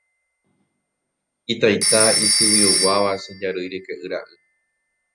Itaita isyguioguáva che jarýi ryke'y ra'y.